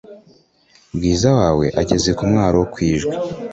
bwiza wawe ageze kumwaro wo kwijwi"